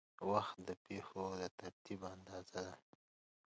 وخت د پېښو د ترتیب اندازه ده.